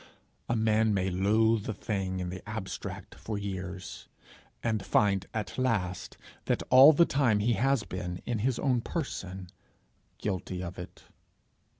A man may loathe a thing in the abstract for years, and find at last that all the time he has been, in his own person, guilty of it.